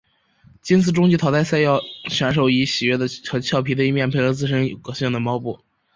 今次终极淘汰战要选手以喜悦和佻皮的一面配合自身有个性的猫步。